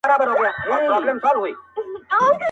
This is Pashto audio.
هغه نن بيا د چا د ياد گاونډى,